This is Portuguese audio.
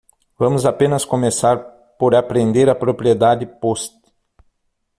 Vamos apenas começar por apreender a propriedade Post.